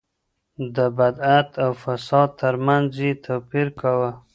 د بدعت او فساد ترمنځ يې توپير کاوه.